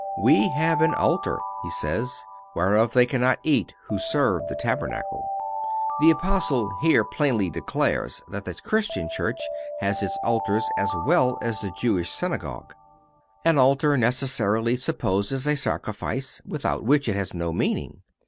"We have an altar," he says, ""whereof they cannot eat who serve the tabernacle."(398) The Apostle here plainly declares that the Christian church has its altars as well as the Jewish synagogue. An altar necessarily supposes a sacrifice, without which it has no meaning.